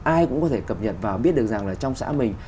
ai cũng có thể cập nhật và biết được rằng là trong xã mình